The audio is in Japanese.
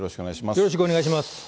よろしくお願いします。